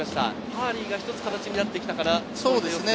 ターリーがひとつ形になってきたかな。